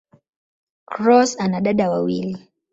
Cross ana dada wawili.